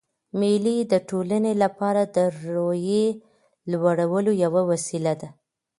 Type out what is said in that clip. مېلې د ټولنې له پاره د روحیې لوړولو یوه وسیله ده.